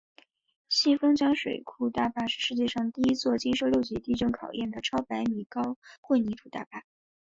新丰江水库大坝是世界上第一座经受六级地震考验的超百米高混凝土大坝。